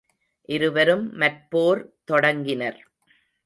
இருவரும் மற்போர் தொடங்கினர்.